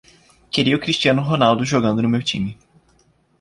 Queria o Cristiano Ronaldo jogando no meu time.